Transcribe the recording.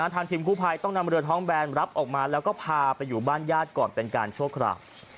ทีมกู้ภัยต้องนำเรือท้องแบนรับออกมาแล้วก็พาไปอยู่บ้านญาติก่อนเป็นการชั่วคราว